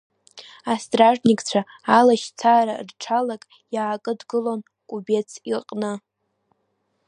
Астражникцәа алашьцара рҽалак иаакыдгылон Кубец иҟны.